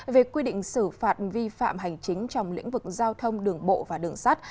về quy định xử phạt vi phạm hành chính trong lĩnh vực giao thông đường bộ và đường sắt